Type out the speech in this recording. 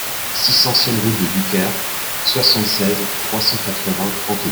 six ancienne Route de Duclair, soixante-seize, trois cent quatre-vingts, Canteleu